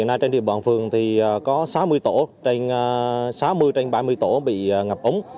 hiện nay trên địa bàn phường thì có sáu mươi tổ trên sáu mươi trên ba mươi tổ bị ngập ống